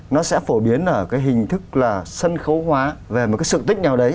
nó sẽ phổ biến ở cái hình thức là sân khấu hóa về một cái sự tích nào đấy